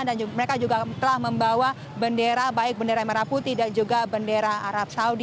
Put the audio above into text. mereka juga telah membawa bendera baik bendera merah putih dan juga bendera arab saudi